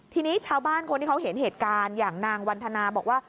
ทีนี้ชาวบ้านคนที่เขาเห็นเหตุการณ์อย่างนางวันธนาบอกว่า